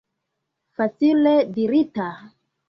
Facile dirita!